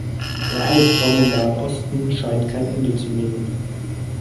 Der Albtraum im Nahen Osten scheint kein Ende zu nehmen.